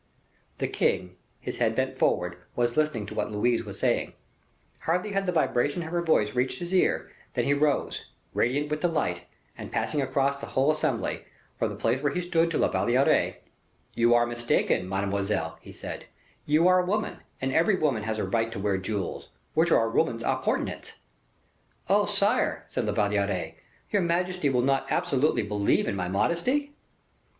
The king, his head bent forward, was listening to what Louise was saying. Hardly had the vibration of her voice reached his ear than he rose, radiant with delight, and passing across the whole assembly, from the place where he stood, to La Valliere, "You are mistaken, mademoiselle," he said, "you are a woman, and every woman has a right to wear jewels, which are a woman's appurtenance." "Oh, sire!" said La Valliere, "your majesty will not absolutely believe in my modesty?"